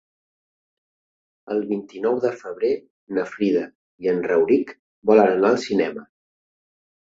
El vint-i-nou de febrer na Frida i en Rauric volen anar al cinema.